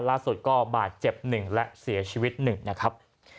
ล่าสุดก็บาดเจ็บหนึ่งและเสียชีวิตหนึ่งนะครับ